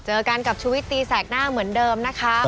เจอกันกับชุวิตตีแสกหน้าเหมือนเดิมนะคะ